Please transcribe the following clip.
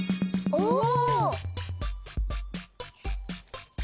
おお！